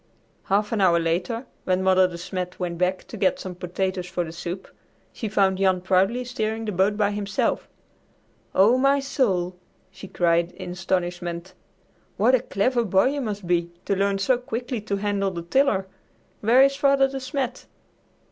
Half an hour later, when Mother De Smet went back to get some potatoes for the soup, she found Jan proudly steering the boat by himself. "Oh, my soul!" she cried in astonishment. "What a clever boy you must be to learn so quickly to handle the tiller. Where is Father De Smet?"